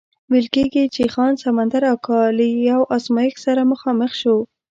ویل کېږي چې خان سمندر اکا له یو ازمایښت سره مخامخ شو.